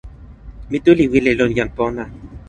mi tu li wile lon jan pona.